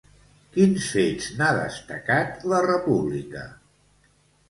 Quins fets n'ha destacat La Repubblica?